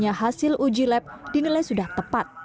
hasilnya hasil uji lab dinilai sudah tepat